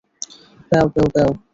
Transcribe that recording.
প্যাও, প্যাও, প্যাও।